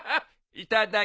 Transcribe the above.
いただきます。